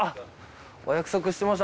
お約束してます